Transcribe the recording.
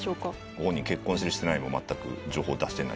ご本人、結婚してるかとかも全く情報、出してない。